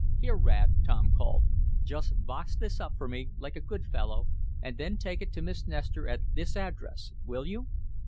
"Here, Rad!" Tom called. "Just box this up for me, like a good fellow, and then take it to Miss Nestor at this address; will you?"